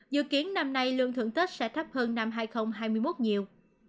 dự kiến năm nay lương thưởng tết sẽ thấp hơn năm hai nghìn hai mươi một nhiều